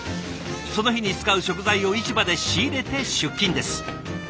その日に使う食材を市場で仕入れて出勤です。